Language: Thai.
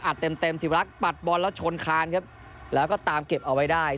เต็มเต็มสิวรักษ์ปัดบอลแล้วชนคานครับแล้วก็ตามเก็บเอาไว้ได้